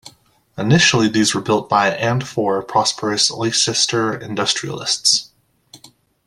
Initially these were built by and for prosperous Leicester industrialists.